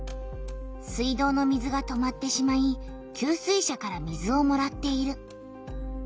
水道の水が止まってしまい給水車から水をもらっている。